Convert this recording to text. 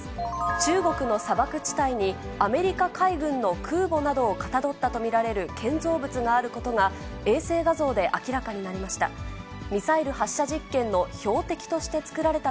中国の砂漠地帯に、アメリカ海軍の空母などをかたどったと見られる建造物があることが、衛星画像で明らかになりました。